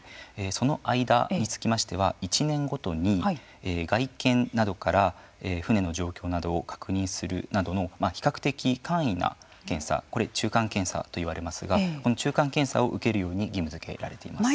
その間につきましては１年ごとに外見などから船の状況などを確認するなどの比較的簡易な検査、これは中間検査と言われますがこの中間検査を受けるように義務づけられています。